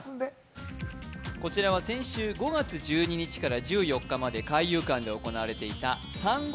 こちらは先週５月１２日から１４日まで海遊館で行われていたサンゴ